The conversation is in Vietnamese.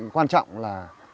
quan trọng là